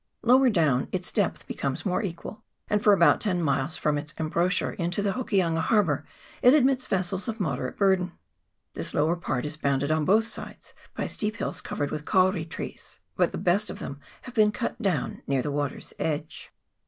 Lower down its depth becomes more equal, and for about ten miles from its embouchure into the Hokianga harbour it admits vessels of moderate burden. This lower part is bounded on both sides by steep hills covered with kauri trees, but the best of them have been cut down near the water's edge.